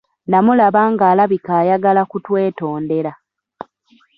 Namulaba ng'alabika ayagala kumwetondera.